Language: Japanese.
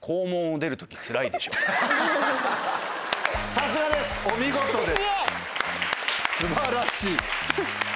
さすがです！お見事です。